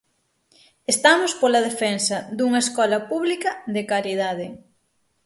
Estamos pola defensa dunha escola pública, de calidade.